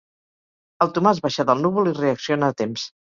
El Tomàs baixa del núvol i reacciona a temps.